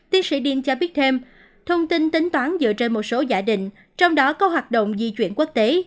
tiến sĩ diên cho biết thêm thông tin tính toán dựa trên một số giả định trong đó có hoạt động di chuyển quốc tế